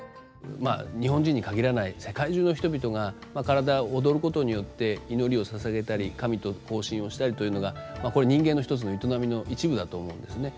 まあ日本人に限らない世界中の人々が体踊ることによって祈りを捧げたり神と交信をしたりというのがこれ人間の一つの営みの一部だと思うんですね。